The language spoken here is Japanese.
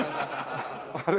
あれ？